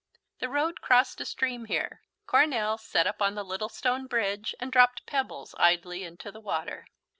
The road crossed a stream here. Coronel sat up on the little stone bridge and dropped pebbles idly into the water.